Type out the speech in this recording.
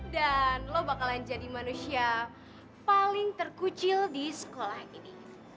dan lo bakalan jadi manusia paling terkucil di sekolah ini